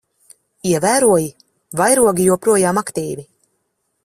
Ievēroji? Vairogi joprojām aktīvi.